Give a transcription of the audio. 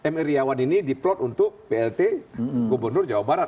mr iawan ini diplot untuk plt gubernur jawa barat